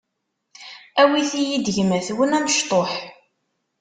awit-iyi-d gma-twen amecṭuḥ.